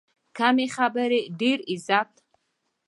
کم خبرې، ډېر عزت.